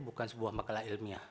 bukan sebuah makalah ilmiah